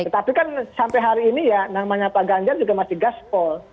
tetapi kan sampai hari ini ya namanya pak ganjar juga masih gaspol